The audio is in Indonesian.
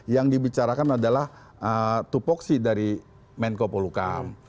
yang dibicarakan adalah tupoksi dari menkopol hukam